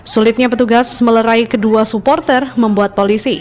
sulitnya petugas melerai kedua supporter membuat polisi